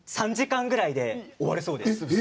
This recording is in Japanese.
３時間ぐらいで終わるそうです。